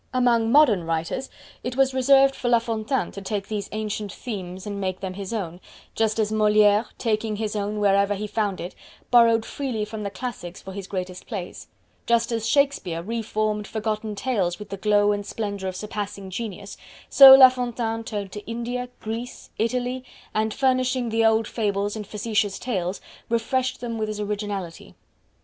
Among modern writers, it was reserved for La Fontaine to take these ancient themes and make them his own just as Moliere, "taking his own wherever he found it," borrowed freely from the classics for his greatest plays; just as Shakespeare re formed forgotten tales with the glow and splendor of surpassing genius, so La Fontaine turned to India, Greece, Italy, and furnishing the old Fables and facetious tales, refreshed them with his originality.